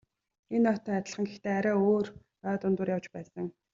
Энэ ойтой адилхан гэхдээ арай өөр ой дундуур явж байсан.